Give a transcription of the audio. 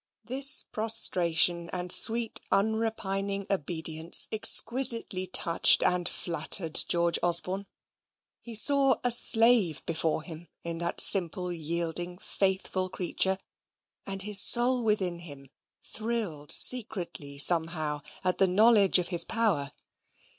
This prostration and sweet unrepining obedience exquisitely touched and flattered George Osborne. He saw a slave before him in that simple yielding faithful creature, and his soul within him thrilled secretly somehow at the knowledge of his power.